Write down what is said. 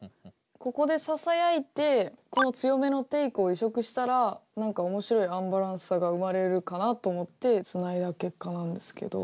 ここでささやいてこう強めのテイクを移植したら何か面白いアンバランスさが生まれるかなと思ってつないだ結果なんですけど。